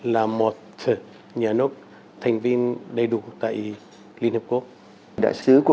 là một nhà nước thành viên đầy đủ tại liên hợp quốc